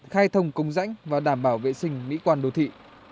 khai thông công dãnh và đảm bảo vệ sinh mỹ quan đồ thị